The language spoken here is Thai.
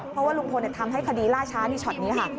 เพราะว่าลุงพลทำให้คดีล่าช้านี่ช็อตนี้ค่ะ